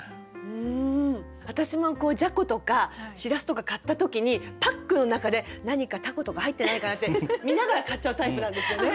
私もじゃことかしらすとか買った時にパックの中で「何か蛸とか入ってないかな」って見ながら買っちゃうタイプなんですよね。